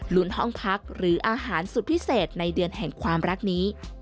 ห้องพักหรืออาหารสุดพิเศษในเดือนแห่งความรักนี้